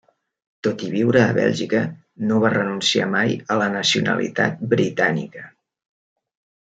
Tot i viure a Bèlgica no va renunciar mai a la nacionalitat britànica.